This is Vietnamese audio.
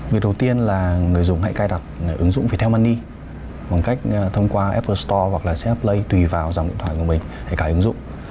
việc đầu tiên là người dùng hãy cài đặt ứng dụng phải theo money bằng cách thông qua apple store hoặc là cf play tùy vào dòng điện thoại của mình hãy cài ứng dụng